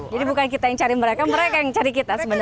jadi bukan kita yang cari mereka mereka yang cari kita sebenarnya